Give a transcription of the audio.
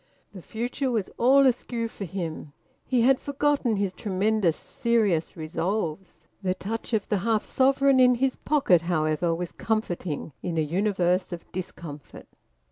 The future was all askew for him. He had forgotten his tremendous serious resolves. The touch of the half sovereign in his pocket, however, was comforting in a universe of discomfort.